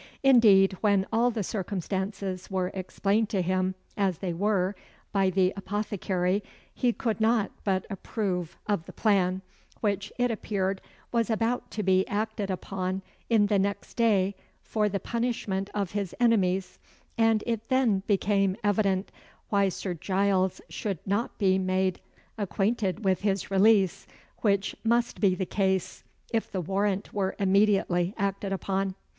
Indeed, when all the circumstances were explained to him, as they were, by the apothecary, he could not but approve of the plan, which, it appeared, was about to be acted upon in the next day for the punishment of his enemies; and it then became evident why Sir Giles should not be made acquainted with his release, which must be the case if the warrant were immediately acted upon.